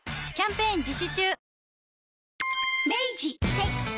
はい。